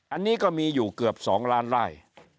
อันนี้ก็มีอยู่เกือบ๒ล้านไร่